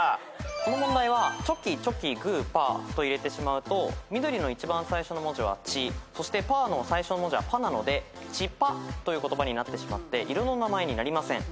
この問題はチョキチョキグーパーと入れてしまうと緑の一番最初の文字は「チ」そしてパーの最初の文字は「パ」なので「チパ」という言葉になってしまって色の名前になりません。